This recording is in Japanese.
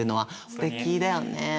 すてきだよね。